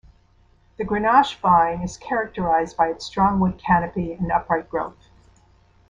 The Grenache vine is characterized by its strong wood canopy and upright growth.